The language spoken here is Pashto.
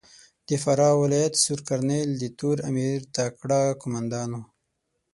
د فراه ولایت سور کرنېل د تور امیر تکړه کومندان ؤ.